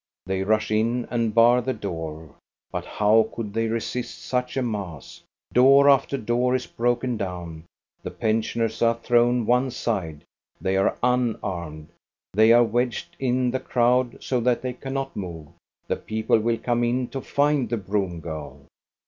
They rush in and bar the door. But how could they resist such a mass } Door after door is broken down. The pensioners are thrown one side ; they are unarmed. They are wedged in the crowd, so that they cannot move. The people will come in to find the broom girl.